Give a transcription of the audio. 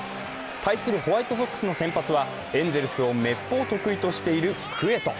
対するホワイトソックスの先発はエンゼルスをめっぽう得意としているクエト。